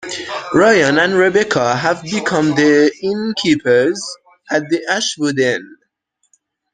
Ryan and Rebecca have become the innkeepers at the Ashwood Inn.